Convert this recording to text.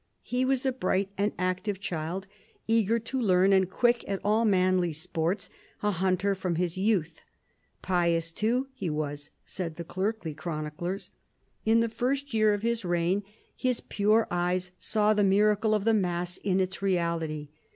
He was a bright and active child, eager to learn and quick at all manly sports, a hunter from his youth. Pious too he was, said the clerkly chroniclers. In the first year of his 18 PHILIP AUGUSTUS chap. reign his pure eyes saw the miracle of the mass in its reality.